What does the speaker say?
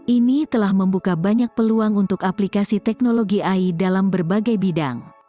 ini telah membuka banyak peluang untuk aplikasi teknologi ai dalam berbagai bidang